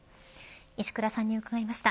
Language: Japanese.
石倉さんに伺いました。